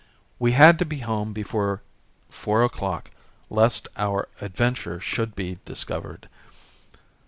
We had to be home before four o'clock lest our adventure should be discovered.